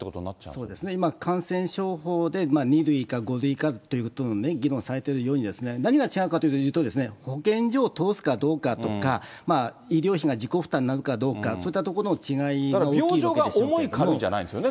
そうですね、今、感染症法で２類か５類かということの議論されているようにですね、何が違うかというと、保健所を通すかどうかとか、医療費が自己負担になるかどうか、そういったところの違いが大きいわけですね。